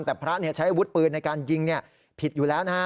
แต่พระใช้อาวุธปืนในการยิงผิดอยู่แล้วนะฮะ